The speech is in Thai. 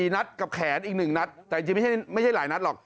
นัดกับแขนอีก๑นัดแต่จริงไม่ใช่หลายนัดหรอก